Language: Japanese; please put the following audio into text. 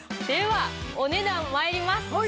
ではお値段参ります。